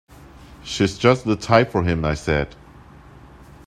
"She's just the type for him," I said.